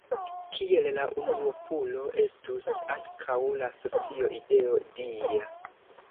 Kiel la unuopulo estus ankaŭ la socio ideo dia.